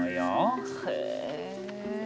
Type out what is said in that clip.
へえ。